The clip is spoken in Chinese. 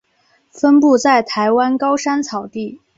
分布在台湾高山草地。